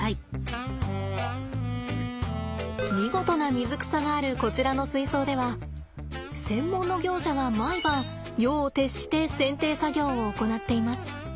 見事な水草があるこちらの水槽では専門の業者が毎晩夜を徹して剪定作業を行っています。